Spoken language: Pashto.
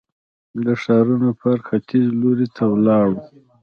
د ښارنو پارک ختیځ لوري ته ولاړو.